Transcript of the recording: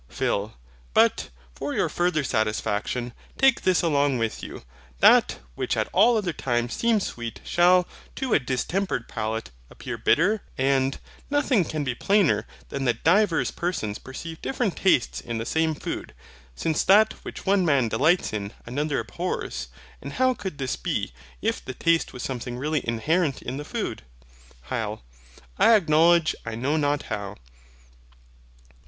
PHIL. But, for your farther satisfaction, take this along with you: that which at other times seems sweet, shall, to a distempered palate, appear bitter. And, nothing can be plainer than that divers persons perceive different tastes in the same food; since that which one man delights in, another abhors. And how could this be, if the taste was something really inherent in the food? HYL. I acknowledge I know not how.